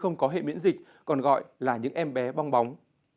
không có hệ miễn dịch còn gọi là những em bé bong bóng